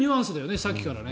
さっきからね。